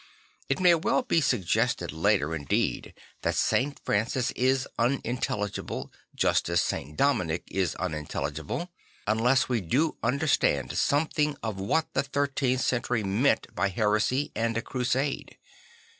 I t may well be suggested later indeed that St. Francis is unintelligible, just as St. 'I he TV orld St. Francis Found 23 Dominic is unintelligible, unless we do understand something of what the thirteenth century meant by heresy and a crusade.